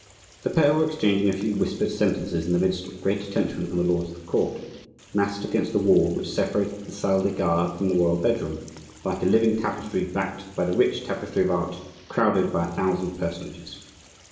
The pair were exchanging a few whispered sentences in the midst of great attention from the lords of the court, massed against the wall which separated the salle des gardes from the royal bedroom, like a living tapestry backed by the rich tapestry of art crowded by a thousand personages.